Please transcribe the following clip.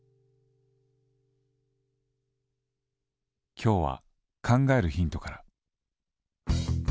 今日は「考えるヒント」から。